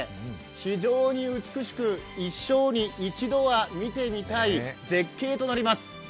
非常に美しく、一生に一度は見てみたい絶景となります。